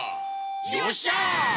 よっしゃ！